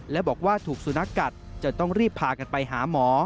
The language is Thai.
และบอกว่าถูกสุนัขกัดจะต้องรีบพากันไปหาหมอ